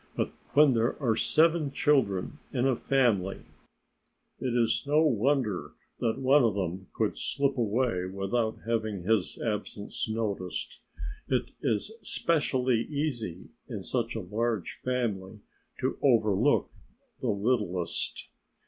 But when there are seven children in a family it is no wonder that one of them could slip away without having his absence noticed. It is specially easy, in such a large family, to overlook the littlest.